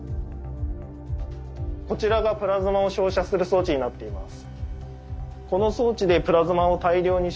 こちらがプラズマを照射する装置になっています。